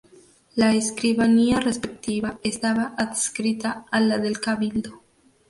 La escribanía respectiva estaba adscrita a la del Cabildo.